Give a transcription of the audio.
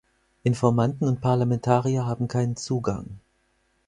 Informanten und Parlamentarier haben keinen Zugang.